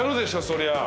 そりゃあ。